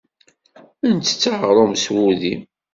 Ntett aɣṛum s wudi.